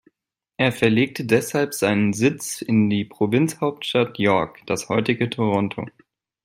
Er verlegte deshalb seinen Sitz in die Provinzhauptstadt "York", das heutige Toronto.